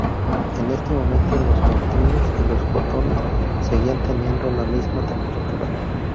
En este momento, los neutrinos y los fotones seguían teniendo la misma temperatura.